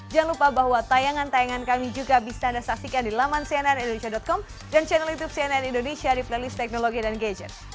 jangan lupa bahwa tayangan tayangan kami juga bisa anda saksikan di laman cnnindonesia com dan channel youtube cnn indonesia di playlist teknologi dan gadget